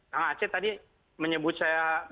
kang aceh tadi menyebut saya